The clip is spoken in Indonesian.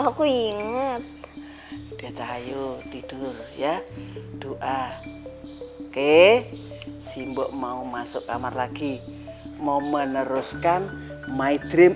aku inget dia cahayu tidur ya doa oke simbo mau masuk kamar lagi mau meneruskan my dream